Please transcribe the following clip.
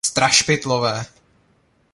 Strašpytlové!